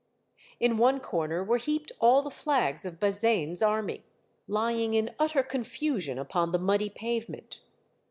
In one corner were heaped all the flags of Bazaine's army, lying in utter confusion upon the muddy pavement.